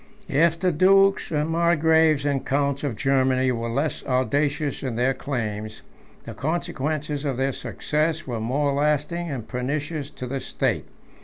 If the dukes, margraves, and counts of Germany, were less audacious in their claims, the consequences of their success were more lasting and pernicious to the state.